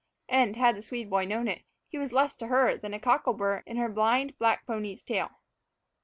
And had the Swede boy known it, he was less to her than a cockle bur in her blind black pony's tail.